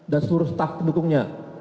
dan suruh staf pendukungnya